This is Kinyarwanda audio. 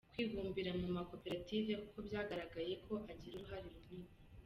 kwibumbira mu makoperative, kuko byagaragaye ko agira uruhare runini.